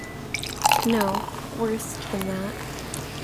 No, worse than that.